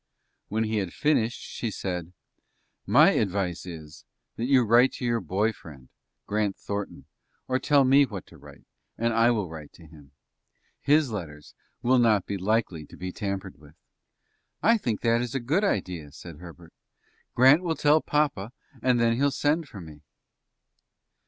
When he had finished, she said: "My advice is, that you write to your boy friend, Grant Thornton, or tell me what to write, and I will write to him. His letters will not be likely to be tampered with." "I think that will be a good idea," said Herbert; "Grant will tell papa, and then he'll send for me."